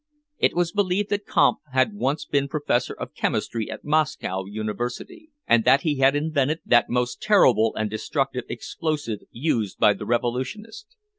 It was believed that Kampf had once been professor of chemistry at Moscow University, and that he had invented that most terrible and destructive explosive used by the revolutionists.